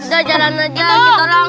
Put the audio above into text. udah jalan lagi tolong